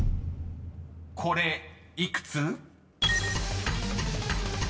［これ幾つ？］